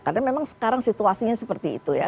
karena memang sekarang situasinya seperti itu ya